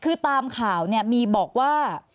คือตามข่าวมีบอกว่า